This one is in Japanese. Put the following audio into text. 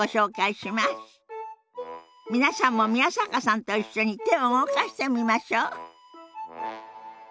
皆さんも宮坂さんと一緒に手を動かしてみましょう。